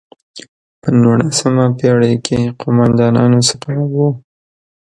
په نولسمه پېړۍ کې قوماندانانو څخه وو.